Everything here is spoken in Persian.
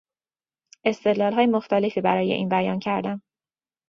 استدلالهای مختلفی برای این بیان کردم.